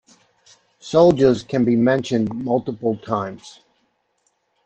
Soldiers can be mentioned multiple times.